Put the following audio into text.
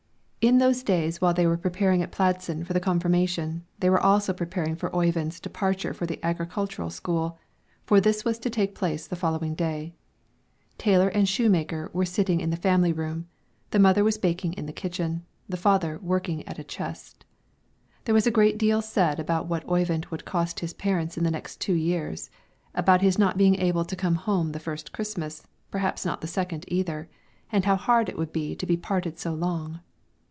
In those days while they were preparing at Pladsen for the confirmation, they were also preparing for Oyvind's departure for the agricultural school, for this was to take place the following day. Tailor and shoemaker were sitting in the family room; the mother was baking in the kitchen, the father working at a chest. There was a great deal said about what Oyvind would cost his parents in the next two years; about his not being able to come home the first Christmas, perhaps not the second either, and how hard it would be to be parted so long.